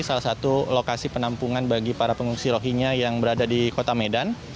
salah satu lokasi penampungan bagi para pengungsi rohingya yang berada di kota medan